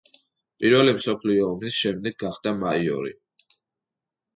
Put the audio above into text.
პირველი მსოფლიო ომის შემდეგ გახდა მაიორი.